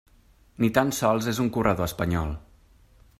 Ni tan sols és un corredor espanyol.